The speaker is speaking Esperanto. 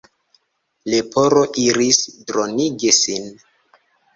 Leporo iris dronigi sin.